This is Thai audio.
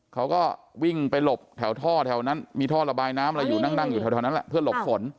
เขาก็วิ่งไปหลบแถวท่อแถวนั้นมีท่อระบายน้ำอะไรอยู่นั่งอยู่แถวนั้นแหละเพื่อหลบฝน